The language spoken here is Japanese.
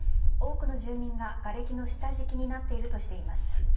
多くの住民ががれきの下敷きになっているとしています。